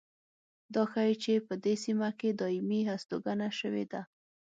دا ښيي چې په دې سیمه کې دایمي هستوګنه شوې ده